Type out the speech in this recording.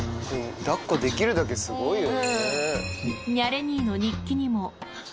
抱っこできるだけすごいよね。